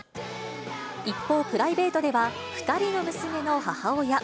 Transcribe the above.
一方、プライベートでは２人の娘の母親。